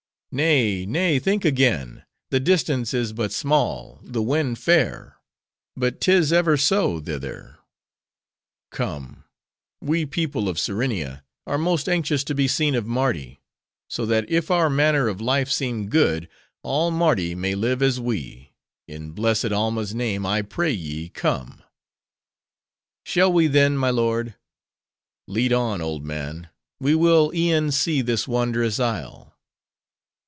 "Nay, nay! think again; the distance is but small; the wind fair,—but 'tis ever so, thither;—come: we, people of Serenia, are most anxious to be seen of Mardi; so that if our manner of life seem good, all Mardi may live as we. In blessed Alma's name, I pray ye, come!" "Shall we then, my lord?" "Lead on, old man! We will e'en see this wondrous isle."